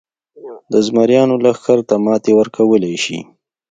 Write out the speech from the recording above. د زمریانو لښکر ته ماتې ورکولای شي.